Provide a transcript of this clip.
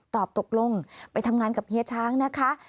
ตกลงไปทำงานกับเฮียช้างนะคะ